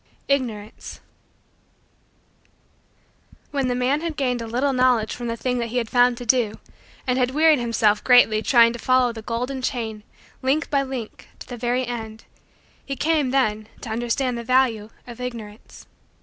IGNORANCE When the man had gained a little knowledge from the thing that he had found to do and had wearied himself greatly trying to follow the golden chain, link by link, to the very end, he came, then, to understand the value of Ignorance.